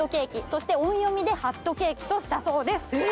そして音読みでハットケーキとしたそうです。